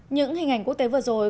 những hình ảnh quốc tế vừa rồi